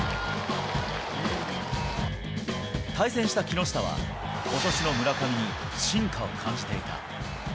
対戦した木下は、ことしの村上に進化を感じていた。